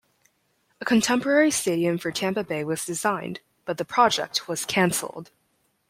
A contemporary stadium for Tampa Bay was designed, but the project was cancelled.